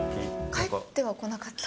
返ってはこなかった？